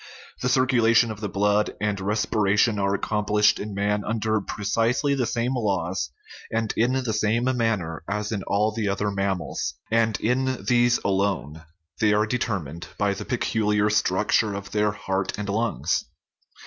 The circulation of the blood and respiration are accomplished in man under precisely the same laws and in the same manner as in all the other mammals and in these alone ; they are determined by the peculiar structure of their heart and lungs.